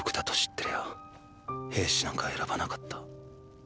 てりゃ兵士なんか選ばなかった。